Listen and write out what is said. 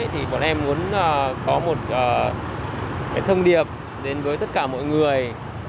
thì bọn em muốn có một cái thông điệp đến với tất cả mọi người